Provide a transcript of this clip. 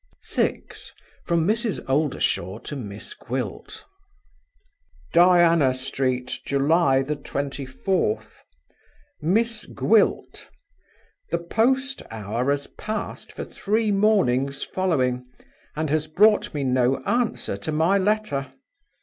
6. From Mrs. Oldershaw to Miss Gwilt. "Diana Street, July 24th. "MISS GWILT The post hour has passed for three mornings following, and has brought me no answer to my letter.